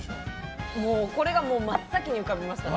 もうこれが真っ先に浮かびましたね。